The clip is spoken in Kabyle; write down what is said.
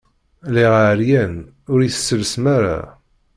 Lliɣ ɛeryan, ur yi-tesselsem ara.